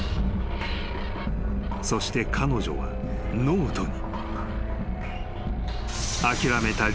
［そして彼女はノートに］